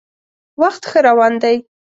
وخت ښه روان دی.